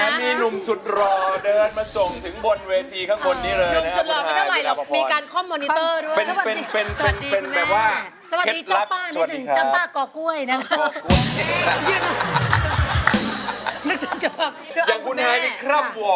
แม้มีหนุ่มสุดรอมาส่งถึงบนเวทีข้างบนนี้เลยนะครับ